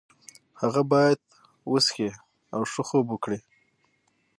هغه باید وڅښي او ښه خوب وکړي.